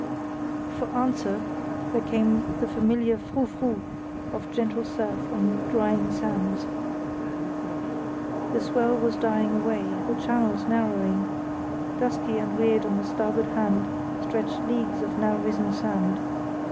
For answer there came the familiar frou frou of gentle surf on drying sands. The swell was dying away, the channel narrowing; dusky and weird on the starboard hand stretched leagues of new risen sand.